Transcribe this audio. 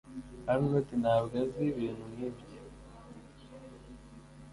Arnaud ntabwo azi ibintu nkibyo.